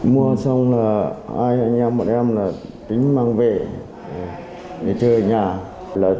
mua xong là hai anh em một em tính mang về để chơi ở nhà